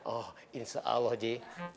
oh insya allah ji